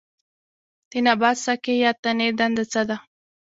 د نبات ساقې یا تنې دنده څه ده